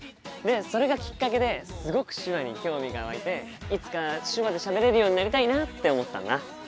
それがきっかけですごく手話に興味が湧いていつか手話でしゃべれるようになりたいなって思ったんだ。